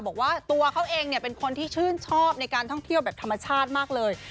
บอกว่าตัวเขาเองเป็นคนที่ชื่นชอบในการท่องเที่ยวแบบธรรมชาติมากเลย